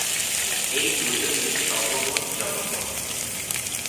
এই দুজনই সর্বমোট জনবল।